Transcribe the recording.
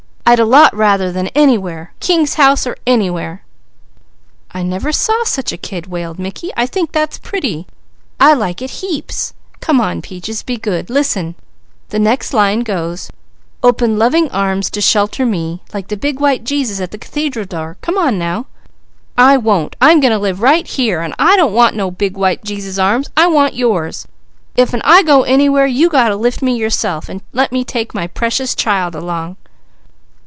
I'd a lot rather than anywhere. King's house or anywhere!" "I never saw such a kid!" wailed Mickey. "I think that's pretty. I like it heaps. Come on Peaches! Be good! Listen! The next line goes: 'Open loving arms to shelter me.' Like the big white Jesus at the Cathedral door. Come on now!" "I won't! I'm goin' to live right here, and I don't want no big white Jesus' arms; I want yours. 'F I go anywhere, you got to lift me yourself, and let me take my Precious Child along."